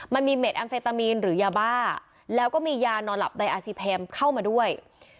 มันมีเม็ดแอมเฟตามีนหรือยาบ้าแล้วก็มียานอนหลับในอาซีแพมเข้ามาด้วย